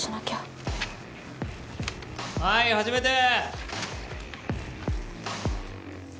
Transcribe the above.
はい始めて。